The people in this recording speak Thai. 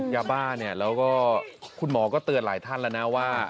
ยาบ้าเนี่ยแล้วก็คุณหมอก็เตือนหลายท่านแล้วนะว่า